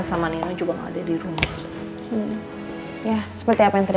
soalnya kalau dulu makan sama dirinya